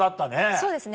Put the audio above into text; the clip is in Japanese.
そうですね